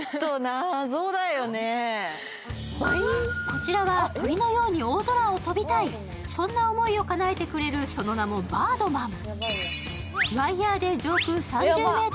こちらは鳥のように大空を飛びたい、そんな思いをかなえてくれる、その名もバードマン。